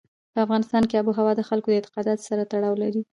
په افغانستان کې آب وهوا د خلکو د اعتقاداتو سره تړاو لري.